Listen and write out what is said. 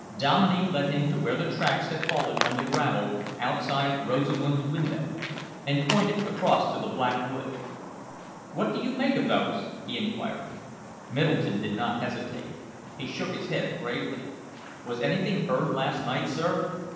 Dominey led him to where the tracks had halted on the gravel outside Rosamund's window and pointed across to the Black Wood. "What do you make of those?" he enquired. Middleton did not hesitate. He shook his head gravely. "Was anything heard last night, sir?"